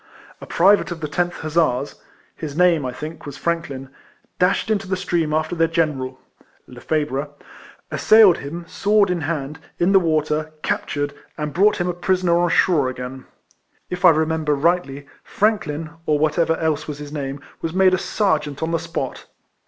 A private of the 10th Hussars — his name, I think, was Franklin — dashed into the stream after their General (Lefebvre), assailed him, sword in hand, in the water, captured, and brought him a prisoner on shore again. If I remember rightly, Frank lin, or whatever else was his name, was made a Serjeant on the spot.